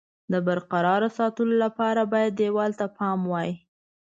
د برقرار ساتلو لپاره باید دېوال ته پام وای.